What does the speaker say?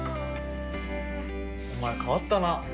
お前変わったな。